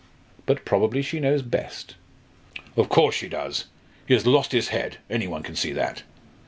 But probably she knows best." "Of course she does. He has lost his head; any one can see that.